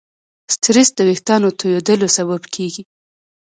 سټرېس د وېښتیانو تویېدلو سبب کېږي.